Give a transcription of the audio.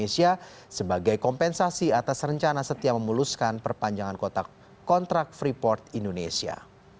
sebagai kompensasi atas rencana setia memuluskan perpanjangan kontrak freeport indonesia